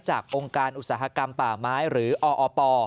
องค์การอุตสาหกรรมป่าไม้หรือออป